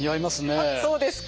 あっそうですか？